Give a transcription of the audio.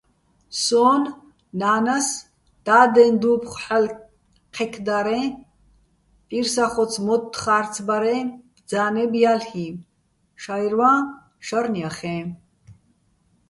სოჼ ნა́ნას დადეჼ დუ́ფხო̆ ჰ̦ალო̆ ჴექდარეჼ, პირსახოც-მოთთხა́რცბარეჼ ბძა́ნებ ჲალ'იჼ, შაჲრვაჼ შარნ ჲახეჼ.